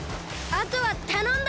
あとはたのんだ！